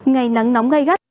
ngày nắng nóng gây gắt